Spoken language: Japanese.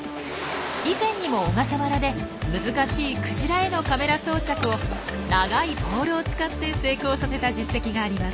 以前にも小笠原で難しいクジラへのカメラ装着を長いポールを使って成功させた実績があります。